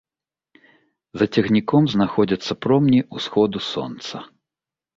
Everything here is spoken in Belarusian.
За цягніком знаходзяцца промні ўсходу сонца.